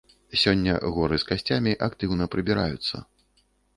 Сёння горы з касцямі актыўна прыбіраюцца.